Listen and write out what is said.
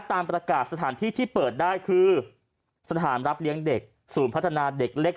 ตามประกาศสถานที่ที่เปิดได้คือสถานรับเลี้ยงเด็กศูนย์พัฒนาเด็กเล็ก